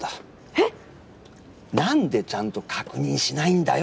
えっ⁉何でちゃんと確認しないんだよ